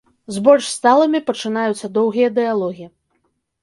З больш сталымі пачынаюцца доўгія дыялогі.